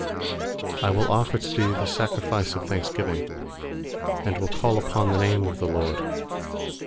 17I will offer to Thee the sacrifice of thanksgiving, And will call upon the name of the LORD.